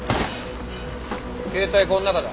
携帯この中だ。